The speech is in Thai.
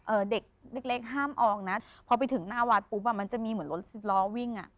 เด็กเล็กเล็กห้ามออกนะพอไปถึงหน้าวัดปุ๊บอ่ะมันจะมีเหมือนรถสิบล้อวิ่งอ่ะ